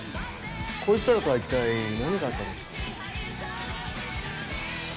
こいつらとは一体何があったんですか？